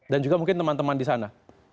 dan juga mungkin teman teman di sana